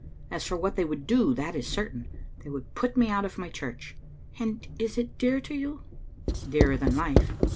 " As for what they would do, that is certain; they would put me out of my church." " And it is dear to you?" "Dearer than life."